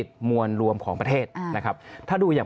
สิ่งที่ประชาชนอยากจะฟัง